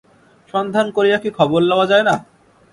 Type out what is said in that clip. সন্ধান করিয়া কি খবর লওয়া যায় না।